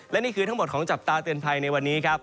และนี่คือทั้งหมดของจับตาเตือนภัยในวันนี้ครับ